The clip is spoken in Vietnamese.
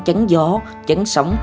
chánh gió chánh sóng